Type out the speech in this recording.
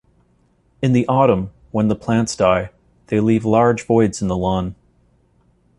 In the autumn when the plants die, they leave large voids in the lawn.